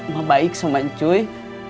mak baik sama cuy